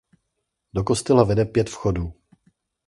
Do kostela vede pět vchodů.